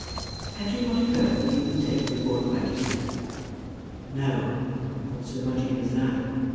"Had you not heard that he had been taken before the magistrates?" "No; not so much even as that.